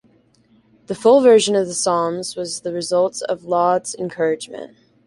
The full version of the Psalms was the result of Laud's encouragement.